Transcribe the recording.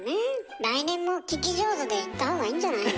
来年も聞き上手でいった方がいいんじゃないの？